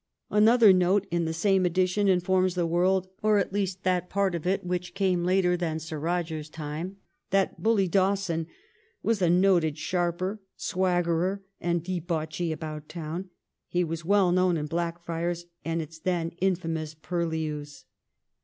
Another note in the same edition informs the world, or at least that part of it which came later than Sir Eoger's time, that bully Dawson 'was a noted sharper, swaggerer^ and debauchee about town; he was well known in Blackfriars and its then infamous purlieus.'